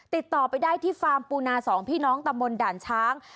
ติดต่อไปได้ที่ฟาร์มปูนาสองพี่น้องตำบลด่านช้าง